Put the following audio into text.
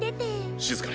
静かに。